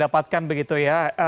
terdapatkan begitu ya